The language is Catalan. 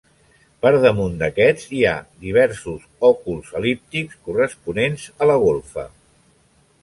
Per damunt d'aquests hi ha diversos òculs el·líptics corresponents a la golfa.